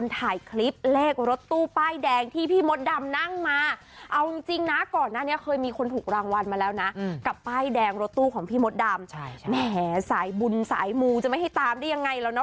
ถ้าเคยมีคนถูกรางวัลมาแล้วนะกับป้ายแดงรถตู้ของพี่มดดำใช่ใช่แหมสายบุญสายมูจะไม่ให้ตามได้ยังไงแล้วเนอะ